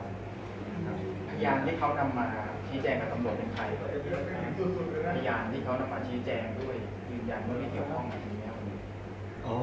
พยานที่เขาทำมาชี้แจงกับตำรวจเป็นใครครับ